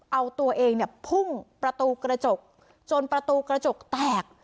เอาตัวเองเนี่ยพุ่งประตูกระจกจนประตูกระจกแตก